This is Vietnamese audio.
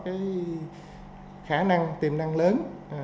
đặc biệt là khả năng tìm năng lớn